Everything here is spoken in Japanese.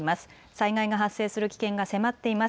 災害が発生する危険が迫っています。